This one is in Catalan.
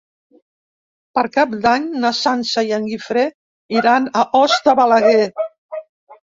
Per Cap d'Any na Sança i en Guifré iran a Os de Balaguer.